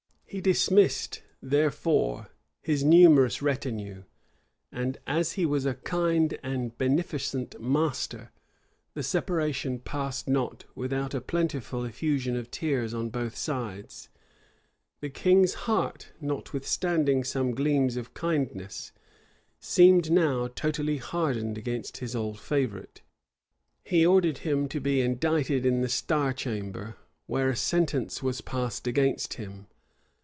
He dismissed, therefore, his numerous retinue and as he was a kind and beneficent master, the separation passed not without a plentiful effusion of tears on both sides. [*] The king's heart, notwithstanding some gleams of kindness, seemed now totally hardened against his old favorite. He ordered him to be indicted in the star chamber, where a sentence was passed against him.